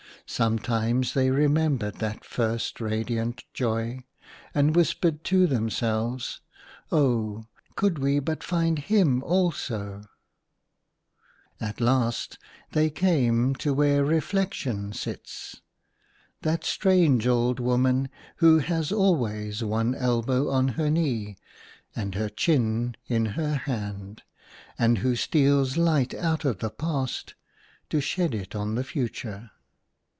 Sometimes they remembered that first radiant Joy, and whispered to themselves, " Oh ! could we but find him also !" At last they came to where Reflection sits ; that strange old woman who has always one elbow on her knee, and her THE LOST JOY. 19 chin in her hand, and who steals light out of the past to shed it on the future.